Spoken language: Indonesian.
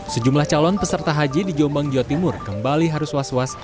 sejumlah calon peserta haji di jombang jawa timur kembali harus was was